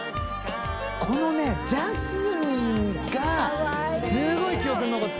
このねジャスミンがすごい記憶に残って。